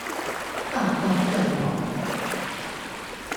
大刀斷網！